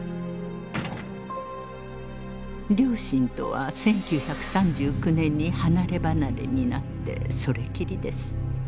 両親とは１９３９年に離れ離れになってそれきりです。